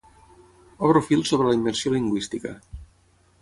Obro fil sobre la immersió lingüística.